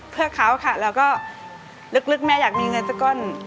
เพื่อเขาค่ะแล้วก็ลึกแม่อยากมีเงินสักก้อน